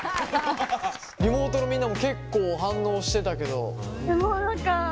リモートのみんなも結構反応してたけど。